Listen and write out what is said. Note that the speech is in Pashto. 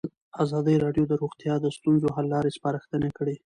ازادي راډیو د روغتیا د ستونزو حل لارې سپارښتنې کړي.